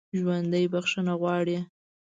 ژوندي بخښنه غواړي